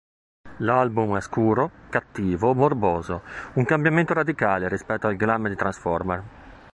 L'album è scuro, cattivo, morboso; un cambiamento radicale rispetto al glam di "Transformer".